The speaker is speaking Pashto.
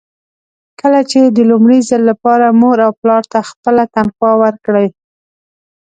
کله چې د لومړي ځل لپاره مور او پلار ته خپله تنخوا ورکړئ.